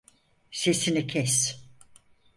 Sesini kes!